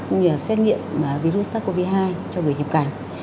cũng như xét nghiệm virus sars cov hai cho người nhập cảnh